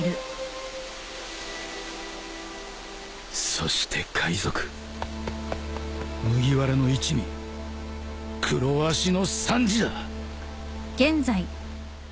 そして海賊麦わらの一味黒足のサンジだ